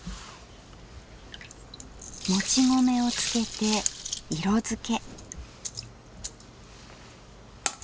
もち米をつけて色付け。